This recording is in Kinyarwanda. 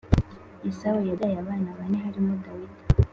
yesawu yabyayi abana bane harimo dawidi